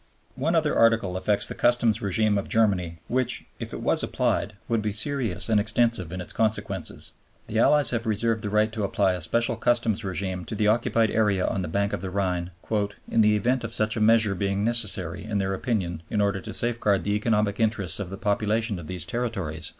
One other Article affects the Customs RÈgime of Germany which, if it was applied, would be serious and extensive in its consequences. The Allies have reserved the right to apply a special customs rÈgime to the occupied area on the bank of the Rhine, "in the event of such a measure being necessary in their opinion in order to safeguard the economic interests of the population of these territories."